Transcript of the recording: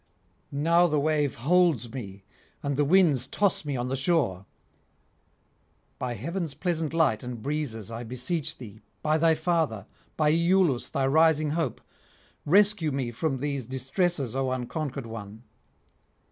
Now the wave holds me, and the winds toss me on the shore. By heaven's pleasant light and breezes I beseech thee, by thy father, by Iülus thy rising hope, rescue me from these distresses, O unconquered one!